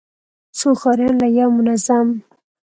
څو ښاريان له يو منظم،